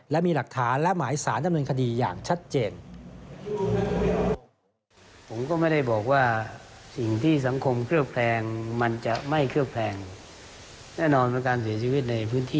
และมีหลักฐานและหมายสารดำเนินคดีอย่างชัดเจน